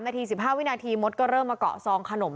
และก็คือว่าถึงแม้วันนี้จะพบรอยเท้าเสียแป้งจริงไหม